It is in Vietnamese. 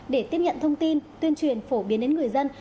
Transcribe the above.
để tiếp nhận thông tin tuyên truyền phổ biến đến người dân